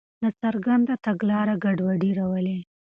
ناڅرګنده تګلاره ګډوډي راولي.